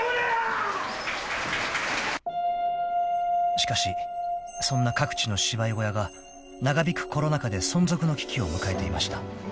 ［しかしそんな各地の芝居小屋が長引くコロナ禍で存続の危機を迎えていました］